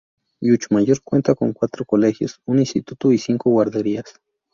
Lluchmayor cuenta con cuatro colegios, un instituto y cinco guarderías.